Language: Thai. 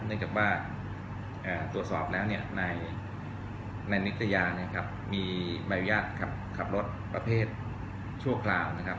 เนื่องจากว่าตรวจสอบแล้วในนิตยามีบรรยาการขับรถประเภทชั่วคราวนะครับ